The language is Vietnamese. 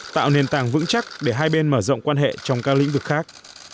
tạo nền tảng vững chắc để hai bên mở rộng quan hệ trong các lĩnh vực khác